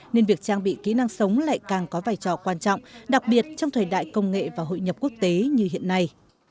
nên việc trang bị kỹ năng sống lại càng có vai trò quan trọng đặc biệt trong thời đại công nghệ và hội nhập quốc tế như hiện nay